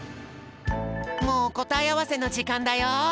もうこたえあわせのじかんだよ。